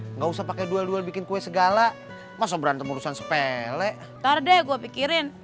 nggak usah pakai duel duel bikin kue segala masa berantem urusan sepele ntar deh gue pikirin